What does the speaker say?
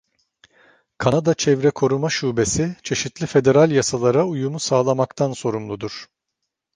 Kanada Çevre Koruma Şubesi, çeşitli federal yasalara uyumu sağlamaktan sorumludur.